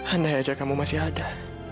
andai aja kamu masih ada